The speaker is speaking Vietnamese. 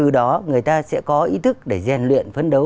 thì từ đó người ta sẽ có ý thức để gian luyện phân tích